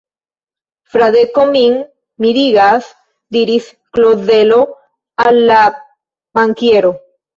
Fradeko min mirigas, diris Klozelo al la bankiero.